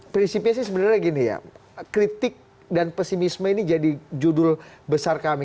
prinsipnya sih sebenarnya gini ya kritik dan pesimisme ini jadi judul besar kami